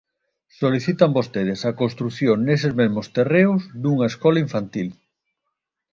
Solicitan vostedes a construción neses mesmos terreos dunha escola infantil.